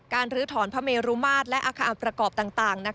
ลื้อถอนพระเมรุมาตรและอาคารประกอบต่าง